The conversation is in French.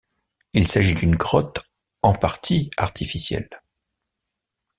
Il s'agit d'une grotte en partie artificielle.